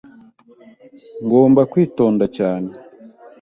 Ngomba kwitonda cyane, .